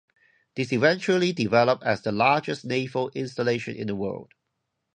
This eventually developed as the largest naval installation in the world.